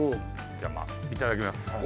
じゃあまあいただきます。